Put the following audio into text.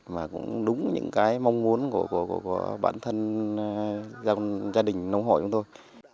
và cũng đúng những cái mong muốn của bản thân gia đình nông hội của tôi